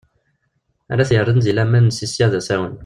Ara t-yerren deg laman seg sya d asawen.